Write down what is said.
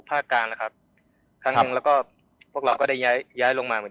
ภาคกลางนะครับครั้งหนึ่งแล้วก็พวกเราก็ได้ย้ายย้ายลงมาเหมือน